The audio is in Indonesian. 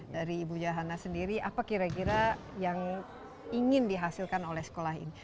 dari ibu johana sendiri apa kira kira yang ingin dihasilkan oleh sekolah ini